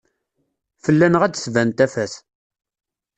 Fell-aneɣ ad d-tban tafat.